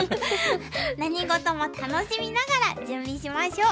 何事も楽しみながら準備しましょう。